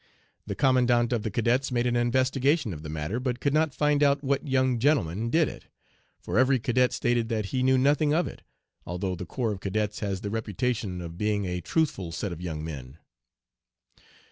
The Commandant of the Cadets made an investigation of the matter, but could not find out what young 'gentleman' did it, for every cadet stated that he knew nothing of it, although the corps of cadets has the reputation of being a truthful set of young men.